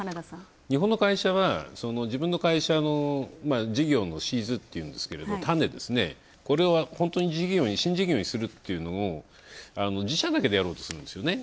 日本の会社は、自分の会社の事業のシーズっていうんですけど種ですね、これを新事業にするっていうのは自社だけでやろうとするんですよね。